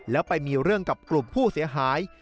แล้วไปมีเรื่องกับกลุ่มผู้เสียหาย